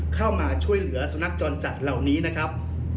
เข้ามาช่วยเหลือสุนัขจรจัดเหล่านี้นะครับ